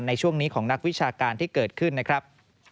ในช่วงนี้ของนักวิชาการที่เกิดขึ้นนะครับ